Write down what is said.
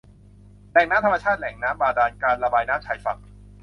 แหล่งน้ำธรรมชาติ แอ่งน้ำบาดาล การระบายน้ำชายฝั่ง